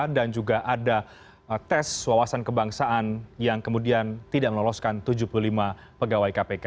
dan juga ada tes wawasan kebangsaan yang kemudian tidak meloloskan tujuh puluh lima pegawai kpk